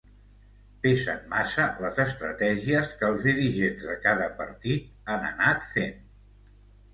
Pesen massa les estratègies que els dirigents de cada partit han anat fent.